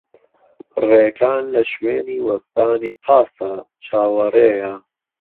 ڕێکان لە شوێنی وەستانی پاسە، چاوەڕێیە.